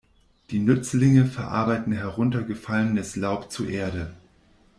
Die Nützlinge verarbeiten heruntergefallenes Laub zu Erde.